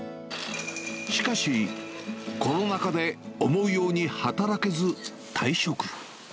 しかし、コロナ禍で思うように働けず、退職。